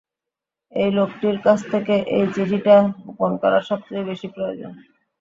এই লোকটির কাছ থেকে এই চিঠিটাকে গোপন করা সবচেয়ে বেশি প্রয়োজন।